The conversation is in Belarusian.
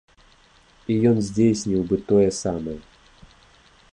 І ён здзейсніў бы тое самае.